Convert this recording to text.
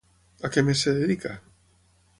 A què més es dedica?